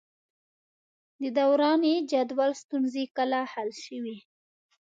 د دوراني جدول ستونزې کله حل شوې؟